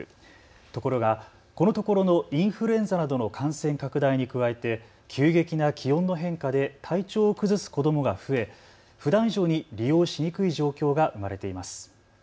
ところが、このところのインフルエンザなどの感染拡大に加えて急激な気温の変化で体調を崩す子どもが増えふだん以上に利用しにくい状況が生まれています。